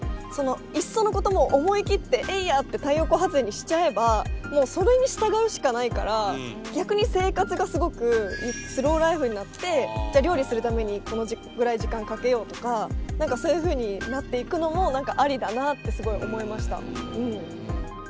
いっそのこともう思い切ってエイヤって太陽光発電にしちゃえばもうそれに従うしかないから逆に生活がすごくスローライフになってじゃ料理するためにこのぐらい時間かけようとか何かそういうふうになっていくのもありだなってすごい思いました。